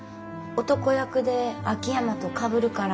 男役で秋山とかぶるから。